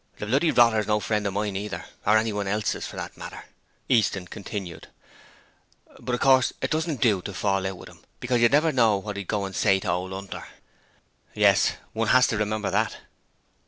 'The bloody rotter's no friend of mine either, or anyone else's, for that matter,' Easton continued, 'but of course it doesn't do to fall out with 'im because you never know what he'd go and say to ol' 'Unter.' 'Yes, one has to remember that.'